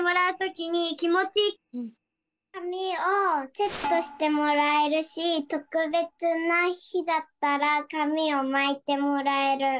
かみをチェックしてもらえるしとくべつなひだったらかみをまいてもらえる。